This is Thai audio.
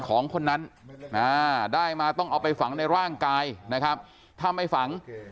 ของคนนั้นได้มาต้องเอาไปฝังในร่างกายนะครับถ้าไม่ฝัง